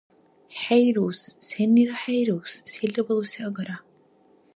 ХӀейрус! Сеннира хӀейрус, селра балуси агара.